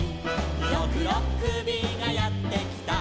「ろくろっくびがやってきた」